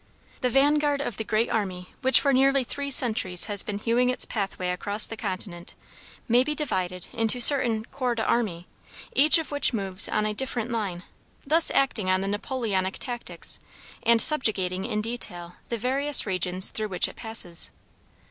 The vanguard of the "Great Army" which for nearly three centuries has been hewing its pathway across the continent, may be divided into certain corps d'armée, each of which moves on a different line, thus acting on the Napoleonic tactics, and subjugating in detail the various regions through which it passes.